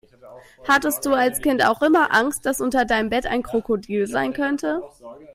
Hattest du als Kind auch immer Angst, dass unter deinem Bett ein Krokodil sein könnte?